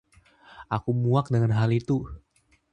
Aku muak dengan hal itu!